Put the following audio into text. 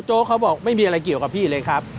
เขาบอกไม่มีอะไรเกี่ยวกับพี่เลยครับ